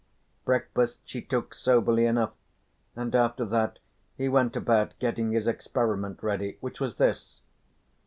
Breakfast she took soberly enough, and after that he went about getting his experiment ready, which was this.